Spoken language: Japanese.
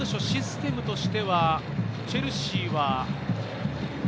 システムとしてはチェルシーは。